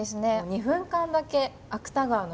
２分間だけ芥川の映像が。